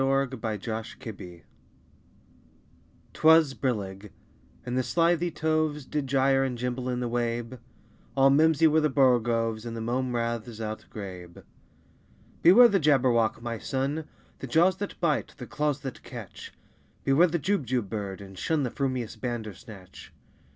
Lewis Carroll Jabberwocky 'TWAS brillig, and the slithy toves Did gyre and gimble in the wabe: All mimsy were the borogoves, And the mome raths outgrabe. "Beware the Jabberwock, my son! The jaws that bite, the claws that catch! Beware the Jubjub bird, and shun The frumious Bandersnatch!"